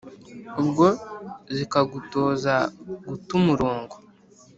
ubwo zikagutoza guta umurongo